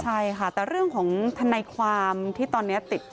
ใช่ค่ะแต่เรื่องของทนายความที่ตอนนี้ติด